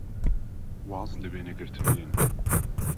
واز لە وێنەگرتن بێنن!